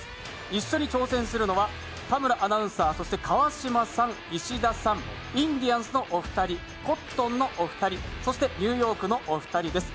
一緒に挑戦するのは田村アナウンサー、川島さん、石田さん、インディアンスのお二人、コットンのお二人、そしてニューヨークのお二人です。